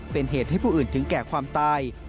เป็นเหตุให้ผู้อื่นถึงแก่ความตาย